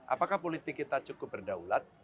apakah politik kita cukup berdaulat